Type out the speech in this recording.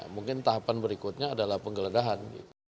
mungkin tahapan berikutnya adalah penggeledahan